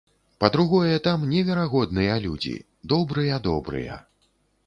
Па-другое, там неверагодныя людзі, добрыя-добрыя.